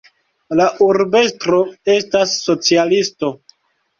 La urbestro estas socialisto.